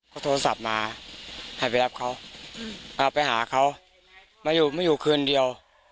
เขาโทรศัพท์มาให้ไปรับเขาไปหาเขามาอยู่มาอยู่คืนเดียว